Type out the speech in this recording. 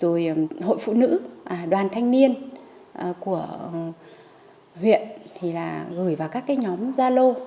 rồi hội phụ nữ đoàn thanh niên của huyện gửi vào các nhóm gia lô